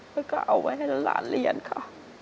แล้วก็เอาไว้ให้หลานเรียนค่ะ